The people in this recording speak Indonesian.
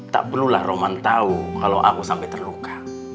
tak perlulah roman tahu kalau aku sampai terluka